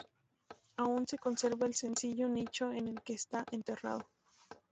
Aún se conserva el sencillo nicho en el que está enterrado.